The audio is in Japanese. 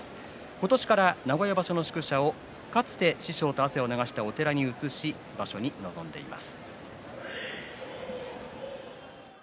今年から名古屋場所の宿舎をかつて師匠と汗を流したお寺に移し場所に臨んでいます。